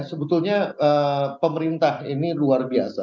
sebetulnya pemerintah ini luar biasa